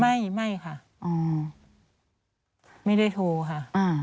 ไม่ไม่ค่ะไม่ได้โทรค่ะ